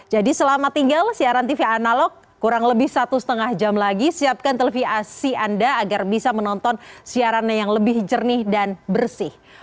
jadi selamat tinggal siaran tv analog kurang lebih satu setengah jam lagi siapkan tv asi anda agar bisa menonton siaran yang lebih jernih dan bersih